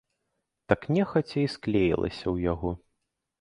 Так, нехаця, і склеілася ў яго.